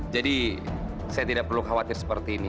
jadi saya tidak perlu khawatir seperti ini